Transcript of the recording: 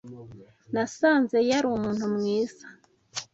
Nasanze yari umuntu mwiza.